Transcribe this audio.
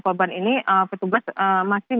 korban ini petugas masih